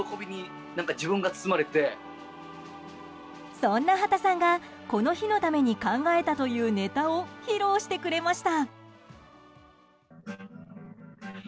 そんな波田さんがこの日のために考えたというネタを披露してくれました。